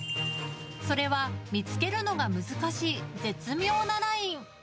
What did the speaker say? それは見つけるのが難しい絶妙なライン。